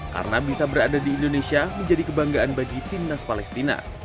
karena bisa berada di indonesia menjadi kebanggaan bagi tim nasi palestina